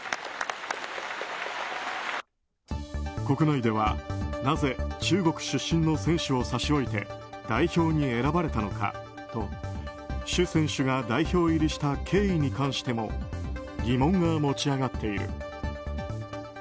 国内では、なぜ中国出身の選手を差し置いて代表に選ばれたのかとシュ選手が代表入りした経緯に関しても疑問が持ち上がっている。